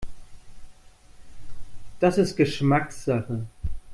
Das ist Geschmackssache.